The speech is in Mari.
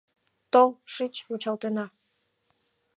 Тол, шич, вучалтена.